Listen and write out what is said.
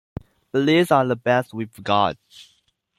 But these are the best we've got.